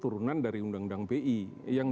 turunan dari undang undang bi yang